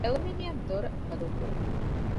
އެލްމެނިއަމަށް ދޮރު ބަދަލުކުރުން